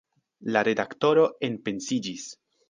La redaktoro enpensiĝis.